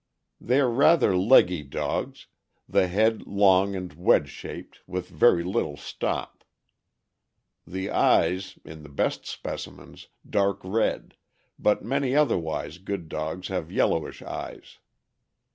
They are rather leggy dogs; the head long and wedge shaped, with very little stop. The eyes, in the best specimens, dark red, but many otherwise good dogs have yellowish eyes.